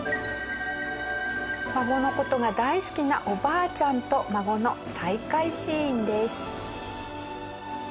孫の事が大好きなおばあちゃんと孫の再会シーンです。